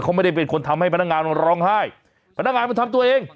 เขาไม่ได้เป็นคนทำให้พนักงานร้องไห้พนักงานมันทำตัวเอง